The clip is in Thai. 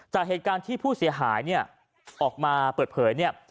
จากเหตุการณ์ที่ผู้เสียหายออกมาเปิดเผย